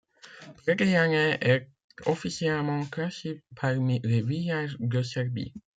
Predejane est officiellement classé parmi les villages de Serbie.